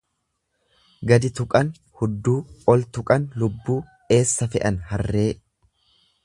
Gadi tuqan hudduu ol tuqan lubbuu, eessa fe'an harree.